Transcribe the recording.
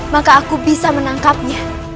maka aku bisa menangkapnya